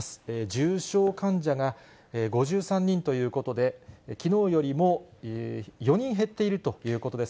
重症患者が５３人ということで、きのうよりも４人減っているということです。